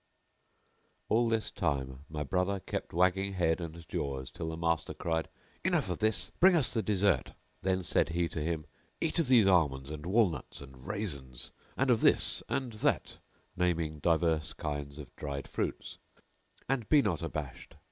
All this time my brother kept wagging head and jaws till the master cried, "Enough of this. Bring us the dessert!" Then said he to him,' "Eat of these almonds and walnuts and raisins; and of this and that (naming divers kinds of dried fruits), and be not abashed."